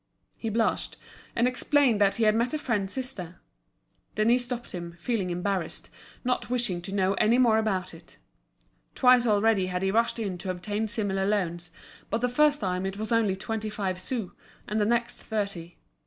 He blushed, and explained that he had met a friend's sister. Denise stopped him, feeling embarrassed, not wishing to know any more about it. Twice already had he rushed in to obtain similar loans, but the first time it was only twenty five sous, and the next thirty.